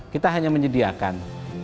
kita hanya menyediakan